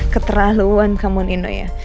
keterlaluan kamu nino ya